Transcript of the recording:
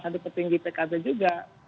tinggi tkb juga